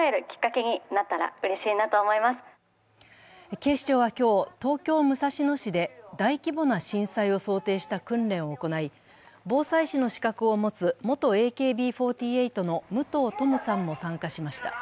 警視庁は今日、東京・武蔵野市で大規模な震災を想定した訓練を行い、防災士の資格を持つ元ＡＫＢ４８の武藤十夢さんも参加しました。